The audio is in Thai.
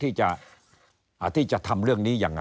เพราะฉะนั้นท่านก็ออกโรงมาว่าท่านมีแนวทางที่จะทำเรื่องนี้ยังไง